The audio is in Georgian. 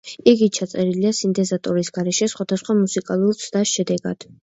იგი ჩაწერილია სინთეზატორის გარეშე, სხვადასხვა მუსიკალური ცდას შედეგად.